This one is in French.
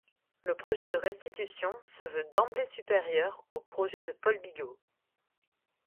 Le projet de restitution se veut d'emblée supérieur au projet de Paul Bigot.